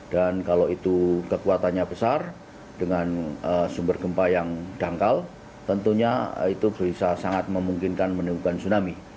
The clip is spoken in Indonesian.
dan kalau itu kekuatannya besar dengan sumber gempa yang dangkal tentunya itu bisa sangat memungkinkan menemukan tsunami